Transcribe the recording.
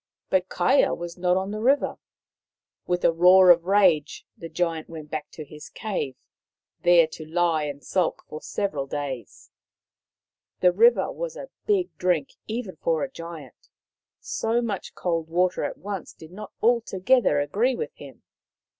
But Kaia was not on the river. With a roar of rage the Giant went back to his cave, there to lie and sulk for several days. The river was a big drink even for a giant ; so The Giant in the Cave 189 much cold water at once did not altogether agree with him.